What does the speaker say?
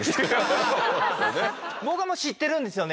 僕はもう知ってるんですよね。